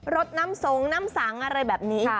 รถน้ำสงน้ำสังอะไรแบบนี้